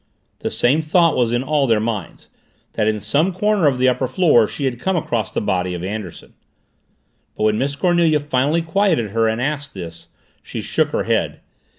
The same thought was in all their minds, that in some corner of the upper floor she had come across the body of Anderson. But when Miss Cornelia finally quieted her and asked this, she shook her head.